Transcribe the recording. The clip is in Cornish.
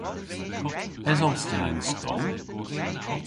Esos ta y'n skol?